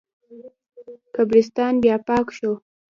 قبرستان بیا پاک شو.